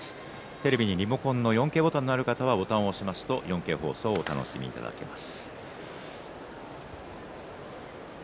テレビのリモコンに４Ｋボタンがある方はボタンを押せば４Ｋの放送をお楽しみいただけます。